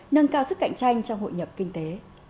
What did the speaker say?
nâng cao sức cạnh tranh trong hội nhập kinh tế